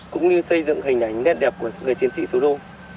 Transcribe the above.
cũng như xây dựng hình ảnh nét đẹp của người chiến sĩ thủ đô